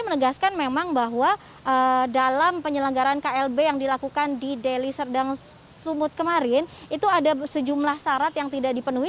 jadi menegaskan memang bahwa dalam penyelenggaran klb yang dilakukan di delhi serdang sumut kemarin itu ada sejumlah syarat yang tidak dipenuhi